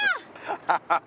ハハハ！